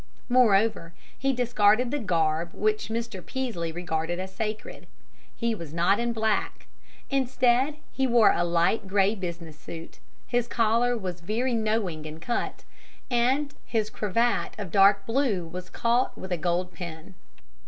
Moreover, he discarded the garb which Mr. Peaslee regarded as sacred. He was not in black. Instead, he wore a light gray business suit, his collar was very knowing in cut, and his cravat of dark blue was caught with a gold pin.